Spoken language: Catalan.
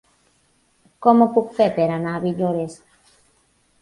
Com ho puc fer per anar a Villores?